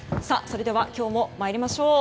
それでは今日もまいりましょう。